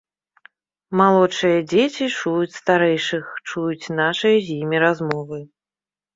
Малодшыя дзеці чуюць старэйшых, чуюць нашыя з імі размовы.